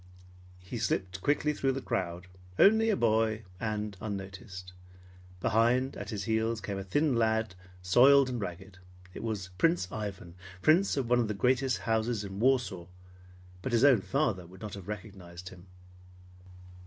He slipped quickly through the crowd, only a boy, and unnoticed. Behind, at his heels, came a thin lad, soiled and ragged. It was Prince Ivan, Prince of one of the greatest houses in Warsaw, but his own father would not have recognized him.